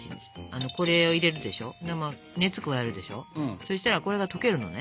そしたらこれが溶けるのね。